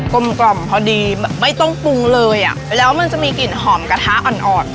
ลมกล่อมพอดีแบบไม่ต้องปรุงเลยอ่ะแล้วมันจะมีกลิ่นหอมกระทะอ่อนอ่อน